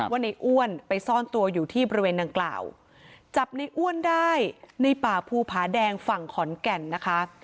ว่าในอ้วนไปซ่อนตัวอยู่ที่บริเวณดังกล่าวจับในอ้วนได้ในป่าภูผาแดงฝั่งขอนแก่นนะคะ